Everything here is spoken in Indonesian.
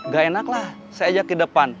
gak enak lah saya ajak ke depan